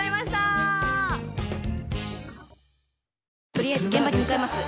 とりあえず現場に向かいます。